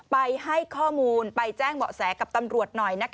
ไปให้ข้อมูลไปแจ้งเบาะแสกับตำรวจหน่อย